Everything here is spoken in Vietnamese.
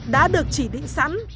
đã được chỉ định sẵn